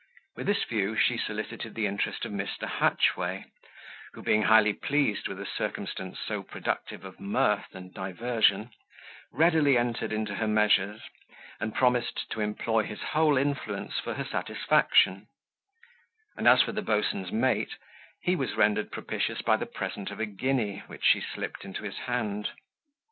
With this view she solicited the interest of Mr. Hatchway, who, being highly pleased with a circumstance so productive of mirth and diversion, readily entered into her measures, and promised to employ his whole influence for her satisfaction; and as for the boatswain's mate, he was rendered propitious by the present of a guinea, which she slipped into his hand.